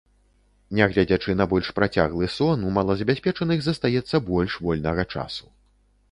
Нягледзячы на больш працяглы сон, у малазабяспечаных застаецца больш вольнага часу.